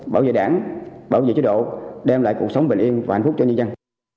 bảo vệ đảng bảo vệ chế độ đem lại cuộc sống bình yên và hạnh phúc cho nhân dân